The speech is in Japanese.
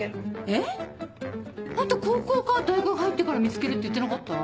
えっ！あんた高校か大学入ってから見つけるって言ってなかった？